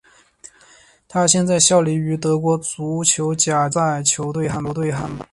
他现在效力于德国足球甲级联赛球队汉堡。